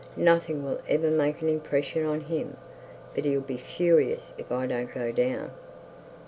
Nothing will ever make an impression on him. But he'll be furious if I don't go down.'